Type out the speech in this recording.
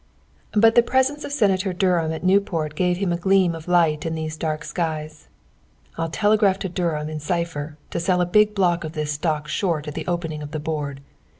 But the presence of Senator Durham at Newport gave him a gleam of light in these dark skies. "I'll telegraph to Durham (in cipher) to sell a big block of this stock short at the opening of the Board.